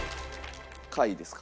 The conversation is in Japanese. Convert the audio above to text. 下位ですか？